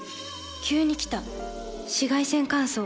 急に来た紫外線乾燥。